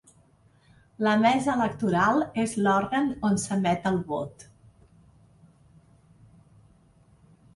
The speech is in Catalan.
La mesa electoral és l’òrgan on s’emet el vot.